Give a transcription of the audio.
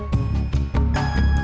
tasik tasik tasik